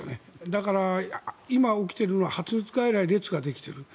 だから、今、起きている発熱外来に列ができている。